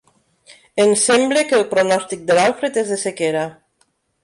Em sembla que el pronòstic de l'Alfred és de sequera.